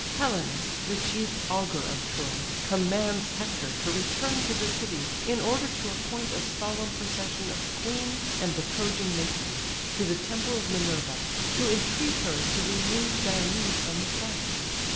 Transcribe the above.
Helenus, the chief augur of Troy, commands Hector to return to the city, in order to appoint a solemn procession of the queen and the Trojan matrons to the temple of Minerva, to entreat her to remove Diomed from the fight.